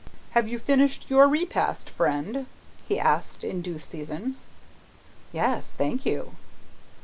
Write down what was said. "Have you finished your repast, friend?" he asked, in due season. "Yes, thank you."